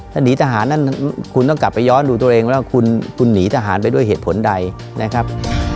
ถ้าหนีทหารนั่นคุณต้องกลับไปย้อนดูตัวเองว่าคุณหนีทหารไปด้วยเหตุผลใดนะครับ